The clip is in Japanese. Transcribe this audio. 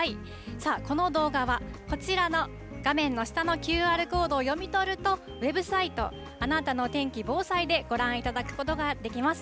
さあ、この動画は、こちらの画面の下のＱＲコードを読み取ると、ウェブサイト、あなたの天気・防災でご覧いただくことができます。